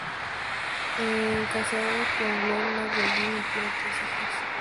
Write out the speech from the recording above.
Es casado con Lorna Golding y tiene tres hijos.